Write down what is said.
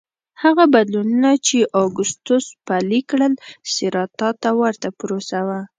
هغه بدلونونه چې اګوستوس پلي کړل سېراتا ته ورته پروسه وه